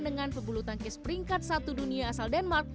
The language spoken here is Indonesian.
dengan pebulu tangkis peringkat satu dunia asal denmark